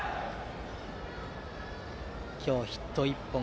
今日、ヒット１本。